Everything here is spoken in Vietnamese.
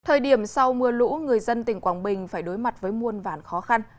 thời điểm sau mưa lũ người dân tỉnh quảng bình phải đối mặt với muôn vàn khó khăn